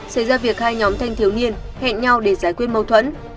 xảy ra việc hai nhóm thanh thiếu niên hẹn nhau để giải quyết mâu thuẫn